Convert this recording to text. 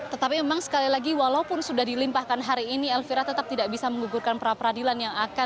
tetapi memang sekali lagi walaupun sudah dilimpahkan hari ini elvira tetap tidak bisa menggugurkan pra peradilan yang akan